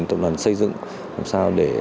tập đoàn xây dựng làm sao để